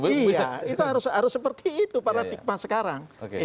iya itu harus seperti itu paradigma sekarang